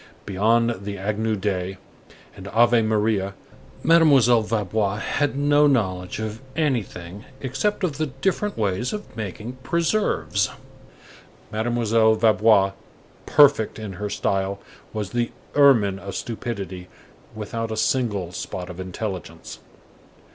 Beyond the Agnus Dei and Ave Maria, Mademoiselle Vaubois had no knowledge of anything except of the different ways of making preserves. Mademoiselle Vaubois, perfect in her style, was the ermine of stupidity without a single spot of intelligence.